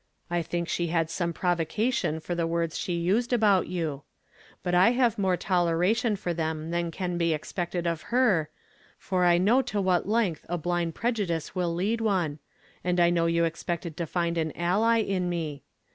I think she had some provoc.;tion for d.e v^rds she used about you ; but I have more toleration for them than can be expected of her, for I know to what length a bJiiid prejudice will lead one, and I know you ex|)ectrd to find an ally in me.